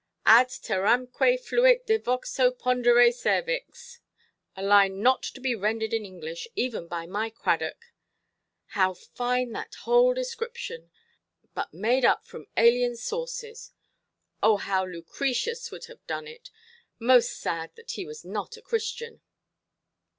'Ad terramque fluit devexo pondere cervix', a line not to be rendered in English, even by my Cradock. How fine that whole description, but made up from alien sources! Oh how Lucretius would have done it! Most sad that he was not a Christian".